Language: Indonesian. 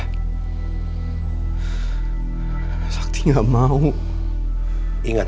tapi sakti enggak mau ilmu ini pak